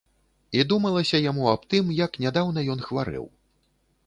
І думалася яму аб тым, як нядаўна ён хварэў.